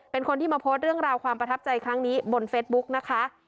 เป็นคนที่มาโพสต์เรื่องราวความประทับใจครั้งนี้บนเฟซบุ๊กนะคะ